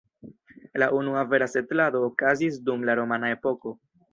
La unua vera setlado okazis dum la romana epoko.